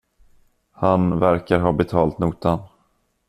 Han verkar ha betalt notan.